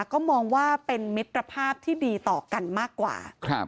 ก็มองว่าเป็นมิตรภาพที่ดีต่อกันมากกว่า